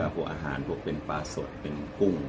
พวกอาหารพวกเป็นปลาสดเป็นกุ้ง